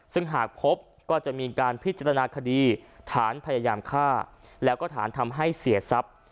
ซึ่งหากพบก็จะมีการพิจารณาคดีฐานพยายามฆ่าแล้วก็ฐานทำให้เสียทรัพย์